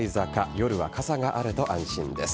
夜は傘があると安心です。